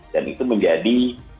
dan itu menjadi